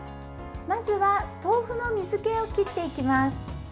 まずは豆腐の水けを切っていきます。